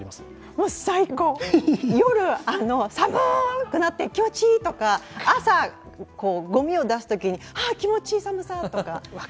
もう最高、夜、寒くなって気持ちいいとか朝、ごみを出すときに気持ちいい寒さとか。